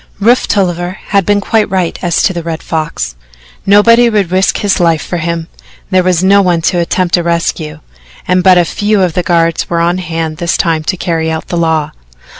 Rufe Tolliver had been quite right as to the Red Fox. Nobody would risk his life for him there was no one to attempt a rescue, and but a few of the guards were on hand this time to carry out the law.